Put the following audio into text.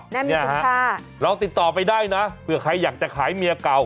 เนี่ยฮะลองติดต่อไปได้นะเผื่อใครอยากจะขายเมียเก่า